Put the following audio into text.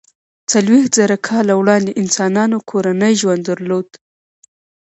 څلویښت زره کاله وړاندې انسانانو کورنی ژوند درلود.